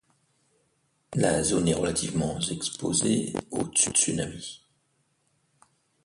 La zone est relativement exposée aux tsunamis.